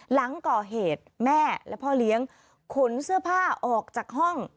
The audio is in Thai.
หลังก่อเหตุแม่และพ่อเลี้ยงขนเสื้อผ้าออกจากห้อง